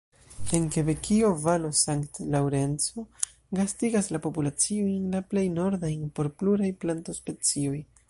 En Kebekio, valo Sankt-Laŭrenco gastigas la populaciojn la plej nordajn por pluraj plantospecioj.